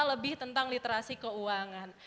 lebih tentang literasi keuangan